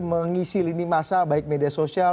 mengisi lini masa baik media sosial